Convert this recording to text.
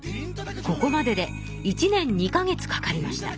ここまでで１年２か月かかりました。